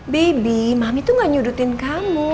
baby mami tuh gak nyudutin kamu